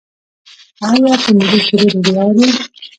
آیا په ملي سرود ویاړو؟